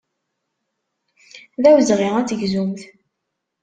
D awezɣi ad tegzumt.